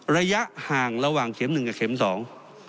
ระยะห่างระหว่างเข็มหนึ่งกับเข็มสอง